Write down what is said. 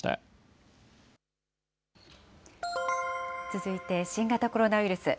続いて、新型コロナウイルス。